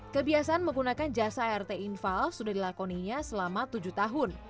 kebiasaan menggunakan jasa art infal sudah dilakoninya selama tujuh tahun